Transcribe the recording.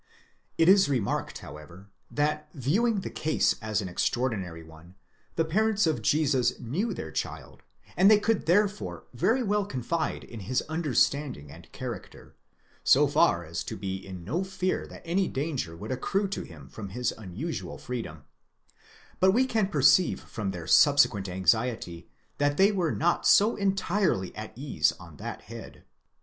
It is remarked however, that viewing the case as an extraordinary one, the parents of Jesus knew their child, and they could therefore very well confide in his understanding and character, so far as: to be in no fear that any danger would accrue to him from his unusual free dom ;*° but we can perceive from their subsequent anxiety, that they were not so entirely at ease on that head.